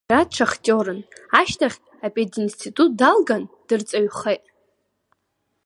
Иара дшахтиорын, ашьҭахь апединститут далган, дырҵаҩхеит.